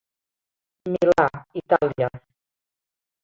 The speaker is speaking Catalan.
Milà, Itàlia.